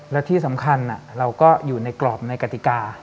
และที่สำคัญเราก็อยู่ในกรอบในกติกา